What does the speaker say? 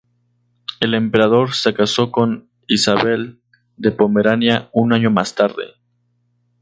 El emperador se casó con Isabel de Pomerania un año más tarde.